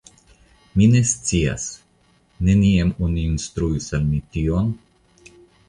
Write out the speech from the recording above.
Mi ne scias; neniam oni instruis al mi tion?